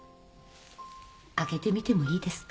開けてみてもいいですか？